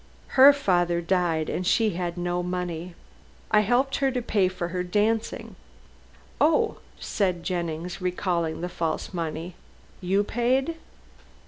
Her father died and she had no money. I helped her to pay for her dancing " "Oh," said Jennings, recalling the false money, "you paid."